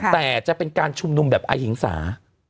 แต่จะเป็นการชุมนุมแบบอหิงสา